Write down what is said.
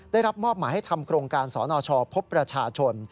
ได้รับมอบหมายให้ทำโครงการสนชพบประชาชน